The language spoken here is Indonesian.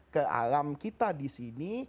ke alam kita di sini